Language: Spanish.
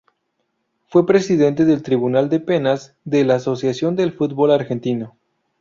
Fue presidente del Tribunal de penas de la Asociación del Fútbol Argentino.